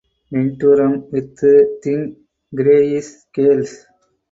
Ventrum with thin greyish scales.